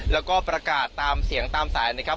แล้วก็ประกาศตามเสียงตามสายนะครับ